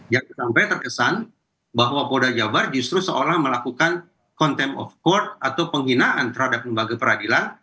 jangan sampai terkesan bahwa polda jabar justru seolah melakukan contempt of court atau penghinaan terhadap lembaga peradilan